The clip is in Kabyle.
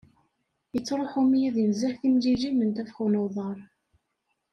Ittruḥu mmi ad inezzeh timliliyin n ddabex n uḍar.